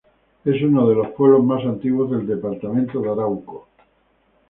Es uno de los pueblos más antiguos del Departamento Arauco.